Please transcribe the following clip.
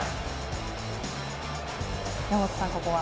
山本さん、ここは？